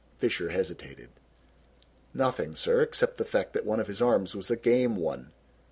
Fisher hesitated. "Nothing, sir, except the fact that one of his arms was a game one."